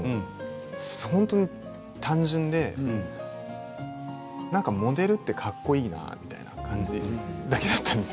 きっかけというのも単純でモデルってかっこいいなみたいな感じだけだったんです。